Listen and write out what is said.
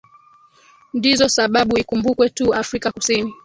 ndizo sababu ikumbukwe tu afrika kusini